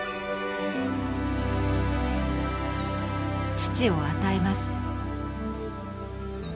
乳を与えます。